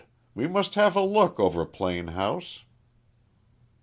We must have a look over Plane House."